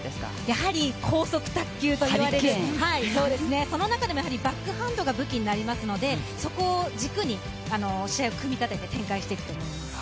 やはり高速卓球といわれる、その中でもバックハンドが武器になりますのでそこを軸に、試合を組み立てて展開していくと思います。